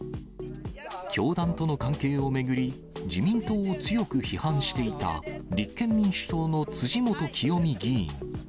教団との関係を巡り、自民党を強く批判していた立憲民主党の辻元清美議員。